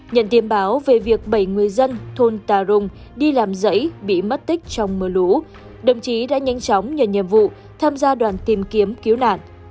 nhận tin báo về việc bảy người dân thôn tà rùng đi làm dãy bị mất tích trong mưa lũ đồng chí đã nhanh chóng nhận nhiệm vụ tham gia đoàn tìm kiếm cứu nạn